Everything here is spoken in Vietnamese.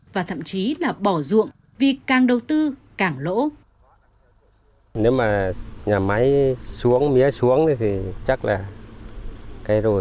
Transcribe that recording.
và thậm chí là bỏ ruộng vì càng đầu tư càng lỗ